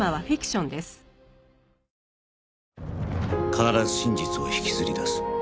必ず真実を引きずり出す。